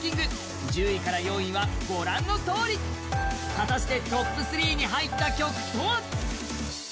果たしてトップ３に入った曲とは？